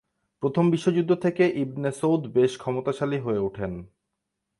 প্রথম বিশ্বযুদ্ধ থেকে ইবনে সৌদ বেশ ক্ষমতাশালী হয়ে উঠেন।